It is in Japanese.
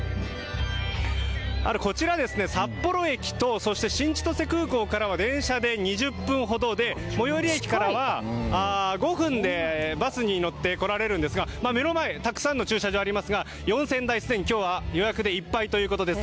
こちら、札幌駅とそして新千歳空港からは電車で２０分ほどで最寄駅からは５分でバスに乗って来られるんですが目の前たくさんの駐車場がありますが４０００台、今日はすでに予約でいっぱいということです。